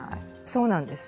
そうなんです。